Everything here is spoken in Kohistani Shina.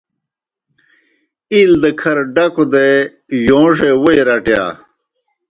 اِیل دہ کھر ڈکوْ دے یوݩڙے ووئی رٹِیا۔